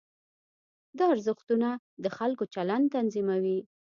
دا ارزښتونه د خلکو چلند تنظیموي.